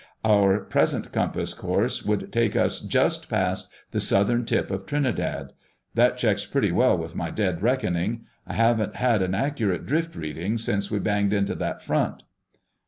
Our present compass course would take us just past the southern tip of Trinidad. That checks pretty well with my dead reckoning. I haven't had an accurate drift reading since we banged into that front."